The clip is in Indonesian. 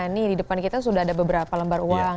nih di depan kita sudah ada beberapa lembar uang